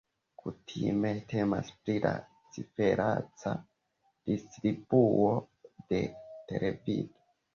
Kutime temas pri la cifereca distribuo de televido.